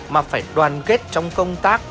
mà phải đoàn kết trong công tác